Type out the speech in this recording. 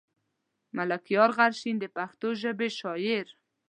ملکيار غرشين د پښتو ژبې شاعر.